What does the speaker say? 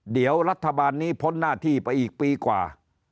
เดี๋ยวรัฐบาลนี้พ้นหน้าที่ไปอีกปีกว่า